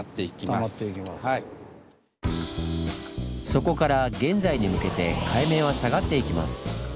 そこから現在に向けて海面は下がっていきます。